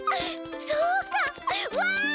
そうかわい！